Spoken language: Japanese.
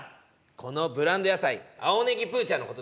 このブランド野菜青ねぎプーちゃんのことだね。